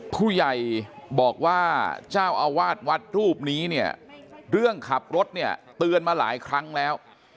ผู้ใหญ่บอกว่าเจ้าอาวาสวัดรูปนี้เนี่ยเรื่องขับรถเนี่ยเตือนมาหลายครั้งแล้ว